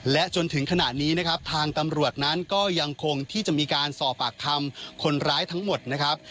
และจนถึงขณะนี้นะครับทางตำรวจนั้นก็ยังคงที่จะมีการสอบปากคำคนร้ายทั้งหมดนะครับ